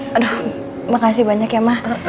aduh makasih banyak ya mak